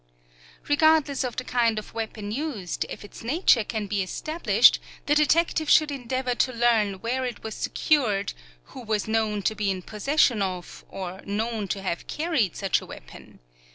Regardless of the kind of weapon used, if its nature can be established, the detective should endeavor to learn where it was secured, who was known to be in possession of, or known to have carried such a weapon.